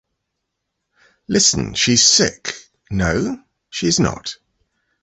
Listen! She is sick! No, she is not.